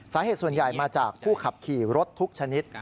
สาเหตุส่วนใหญ่มาจากผู้ขับขี่รถทุกชนิด